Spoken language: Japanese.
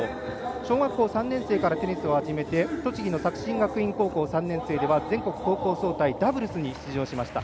小学３年生からテニスを始めて栃木の作新学院高校、３年生では全国高校総体ダブルスに出場しました。